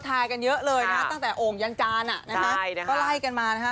ทายกันเยอะเลยนะตั้งแต่โอ่งยันจานอ่ะนะฮะก็ไล่กันมานะฮะ